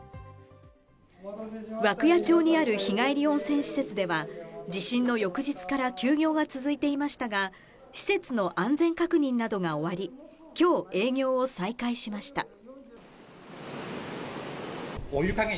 涌谷町にある日帰り温泉施設では地震の翌日から休業が続いていましたが、施設の安全確認などが終わり、今日営業を再開しました。